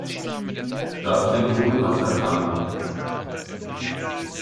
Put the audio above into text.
Dustin tut, was er kann.